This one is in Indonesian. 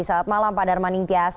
selamat malam pak darmaning tias